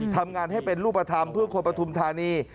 ทำงานให้เป็นรูปธรรมเพื่อคนปฐุมธานี